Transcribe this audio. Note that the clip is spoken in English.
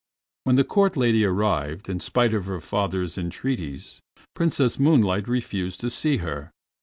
When the Court lady arrived, in spite of her father's entreaties, Princess Moonlight refused to see her.